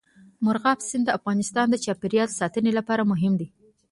مورغاب سیند د افغانستان د چاپیریال ساتنې لپاره مهم دی.